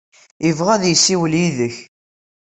Yebɣa ad yessiwel yid-k.